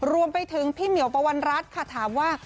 รวมไปถึงพี่เหมียวปวัณรัฐค่ะถามว่า